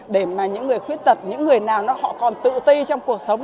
để mà những người khuyết tật những người nào họ còn tự ti trong cuộc sống